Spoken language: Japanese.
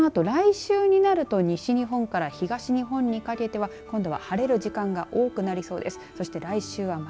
そのあと来週になると西日本から東日本にかけては今度は晴れる時間が多くなりそうです。